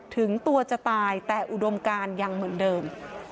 ถึงตัวจะตายแต่อุดมการยังเหมือนเดิม